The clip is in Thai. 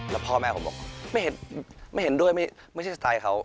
แล้วพ่อแม่ผมบอกไม่เห็นด้วยไม่ใช่สไตล์เขา